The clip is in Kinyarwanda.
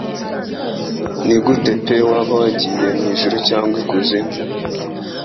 Nigute pe waba wagiye mwijuru cyangwa ikuzimu